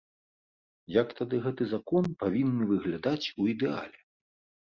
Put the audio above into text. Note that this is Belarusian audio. Як тады гэты закон павінны выглядаць у ідэале?